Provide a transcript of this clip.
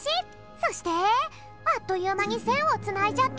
そしてあっというまにせんをつないじゃった！